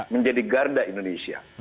menjadi garda indonesia